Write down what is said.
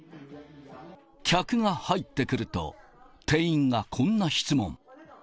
客が入ってくると、店員がこんな質問。